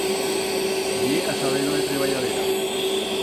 Ye a-saber-lo de treballadera